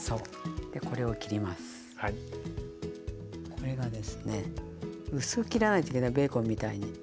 これがですね薄く切らないといけないベーコンみたいに。